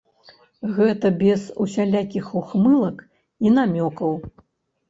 Гэта без усялякіх ухмылак і намёкаў.